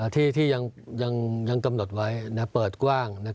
ที่ยังกำหนดไว้เปิดกว้าง